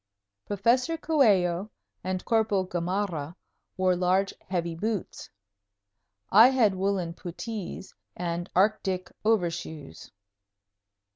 Professor Coello and Corporal Gamarra wore large, heavy boots. I had woolen puttees and "Arctic" overshoes.